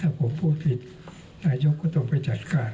ถ้าผมพูดผิดนายกก็ต้องไปจัดการ